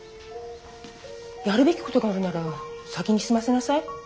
やるべきことがあるなら先に済ませなさい。